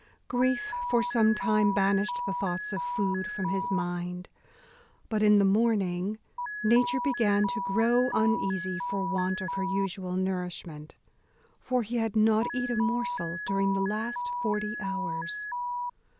Grief for some time banished the thoughts of food from his mind; but in the morning nature began to grow uneasy for want of her usual nourishment: for he had not eat a morsel during the last forty hours.